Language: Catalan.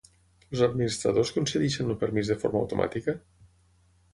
Els administradors concedeixen el permís de forma automàtica?